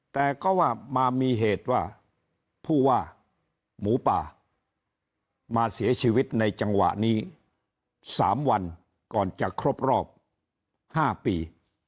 แต่ก็ว่ามามีเหตุว่าผู้ว่าหมูป่ามาเสียชีวิตในจังหวะนี้๓วันก่อนจะครบรอบ๕ปี